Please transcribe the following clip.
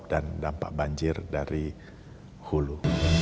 dan dampak banjir dari hulu